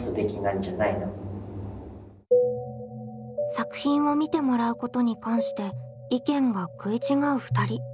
作品を見てもらうことに関して意見が食い違う２人。